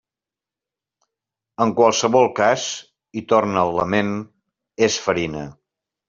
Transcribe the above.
En qualsevol cas, i torna el lament, és farina.